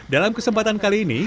dalam kesempatan kali ini